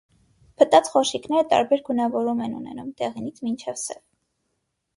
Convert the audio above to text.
Փտած խորշիկները տարբեր գունավորում են ունենում՝ դեղինից մինչև սև։